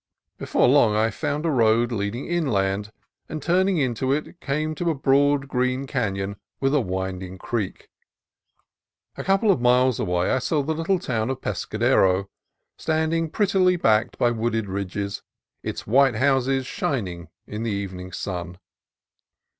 Before long I found a road leading inland, and turning into it came to a broad green canon with a winding creek. A couple of miles away I saw the little town of Pescadero, standing prettily backed by wooded ridges, its white houses shining in the evening sun.